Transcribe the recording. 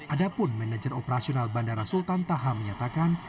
ada pun manajer operasional bandara sultan taha menyatakan